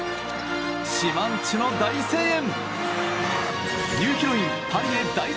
島人の大声援！